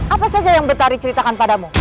apa saja yang betari ceritakan padamu